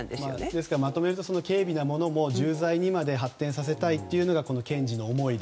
ですから、まとめると軽微なものも重罪に発展させたというのが検事の思いで。